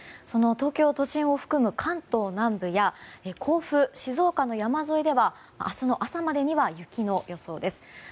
その東京都心を含む関東南部や甲府、静岡の山沿いでは明日の朝までには雪の予想です。